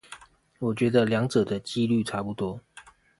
我覺得兩者的機率差不多